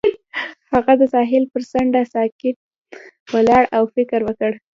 هغه د ساحل پر څنډه ساکت ولاړ او فکر وکړ.